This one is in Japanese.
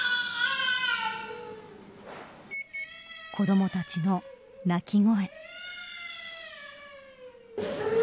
子どもたちの泣き声。